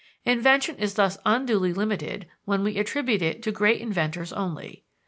Invention is thus unduly limited when we attribute it to great inventors only.